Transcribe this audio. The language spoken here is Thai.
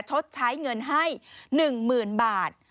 ชดใช้เงินให้๑๐๐๐บาท